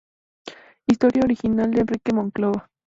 Historia original de Enrique Moncloa.